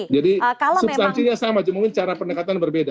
jadi substansinya sama cuma mungkin cara penekatan berbeda